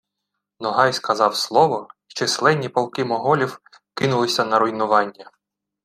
«Ногай сказав слово, і численні полки Моголів кинулися на руйнування